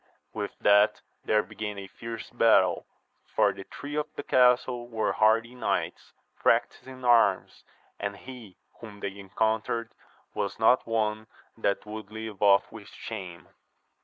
With that there began a fierce battle, for the three of the castle were hardy knights, practised in arms, and he whom they encountered was not one that would leave off with shame.